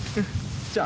じゃあ。